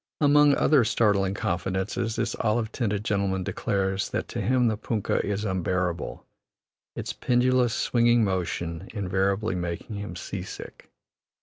Among other startling confidences, this olive tinted gentleman declares that to him the punkah is unbearable, its pendulous, swinging motion invariably making him "sea sick."